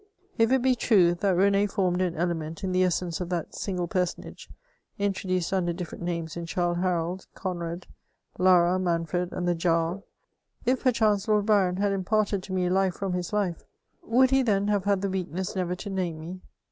If it be true, that Rene formed an element in the essence of that single personage, introduced under different names in Childe Haroldy Conrad, Lara, Manfred, and the Giaour ; if perchance, Lord Byron had imparted to me life from his life, would he then have had the weakness never to name me